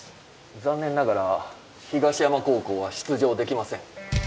残念ながら東山高校は出場できません。